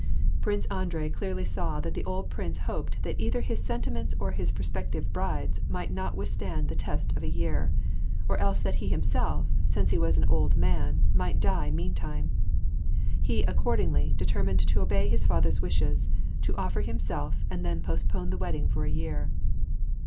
Prince Andrei clearly saw that the old prince hoped that either his sentiments or his prospective bride's might not with stand the test of a year; or else that he himself — since he was an old man — might die meantime ; he, accordingly, determined to obey his father's wishes, to offer himself, and then post pone the wedding for a year.